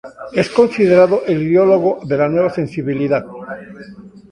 Es considerado el ideólogo de la Nueva Sensibilidad.